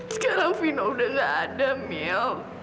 sekarang fina udah gak ada mil